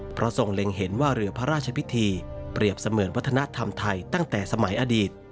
เพราะทรงเล็งเห็นว่าเรือพระราชพิธีเปรียบเสมือนวัฒนธรรมไทยตั้งแต่สมัยอดีต